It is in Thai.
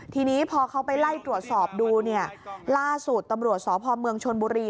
ทีนี้พอเขาไปไล่ตรวจสอบดูเนี่ยล่าสุดตำรวจสพเมืองชนบุรี